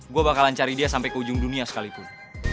gue bakalan cari dia sampai ke ujung dunia sekalipun